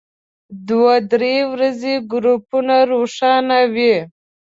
دوه درې ورځې ګروپونه روښانه وي.